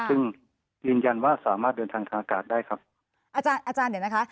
ซึ่งยืนยันว่าสามารถเดินทางทางอากาศได้ครับอาจารย์อาจารย์เดี๋ยวนะคะ